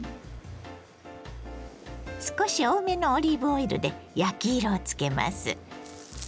少し多めのオリーブオイルで焼き色をつけます。